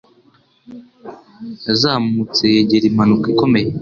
yazamutse yegera impanuka ikomeye